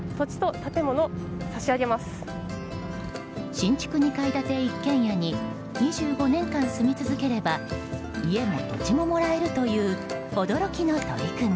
新築２階建て一軒家に２５年間住み続ければ家も土地ももらえるという驚きの取り組み。